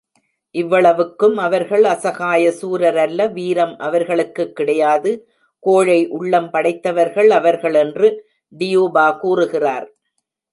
இவ்வளவுக்கும் அவர்கள் அசகாய சூரரல்ல, வீரம் அவர்களுக்குக் கிடையாது, கோழை உள்ளம் படைத்தவர்கள் அவர்கள் என்று டியூபா கூறுகிறார்.